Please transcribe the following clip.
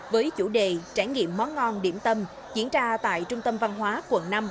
với chủ đề trải nghiệm món ngon điểm tâm diễn ra tại trung tâm văn hóa quận năm